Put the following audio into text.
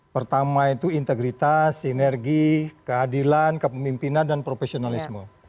pertama itu integritas sinergi keadilan kepemimpinan dan profesionalisme